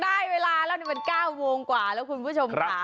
ได้เวลาแล้วนี่มัน๙โมงกว่าแล้วคุณผู้ชมค่ะ